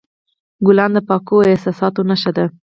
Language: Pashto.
ګلان د پاکو احساساتو نښه ده.